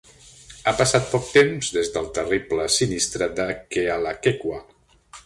Ha passat poc temps des del terrible sinistre de Kealakekua.